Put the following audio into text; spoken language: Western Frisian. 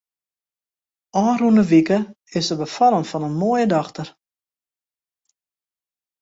Ofrûne wike is se befallen fan in moaie dochter.